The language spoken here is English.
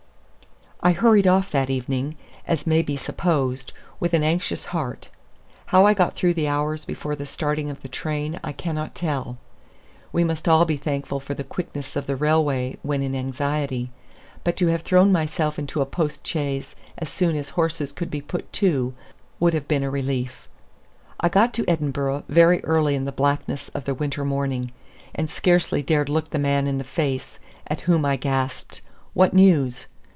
I hurried off that evening, as may be supposed, with an anxious heart. How I got through the hours before the starting of the train, I cannot tell. We must all be thankful for the quickness of the railway when in anxiety; but to have thrown myself into a post chaise as soon as horses could be put to, would have been a relief. I got to Edinburgh very early in the blackness of the winter morning, and scarcely dared look the man in the face, at whom I gasped, "What news?"